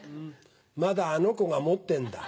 まだあの子が持ってんだ。